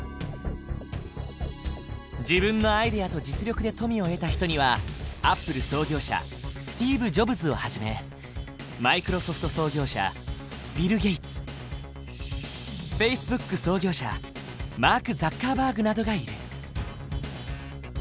自分のアイデアと実力で富を得た人にはアップル創業者スティーブ・ジョブズをはじめマイクロソフト創業者ビル・ゲイツフェイスブック創業者マーク・ザッカーバーグなどがいる。